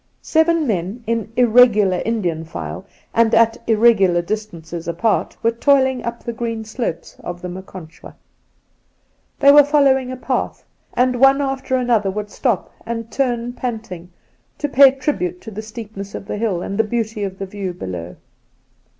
Seven men in irregular Indian file, and at irre gular distances apart, were toiling up the green 'slopes of the Maconchwa. They were following a path, and one after another would stop and turn panting to pay tribute to the steepness of the hill and the beauty of the view below.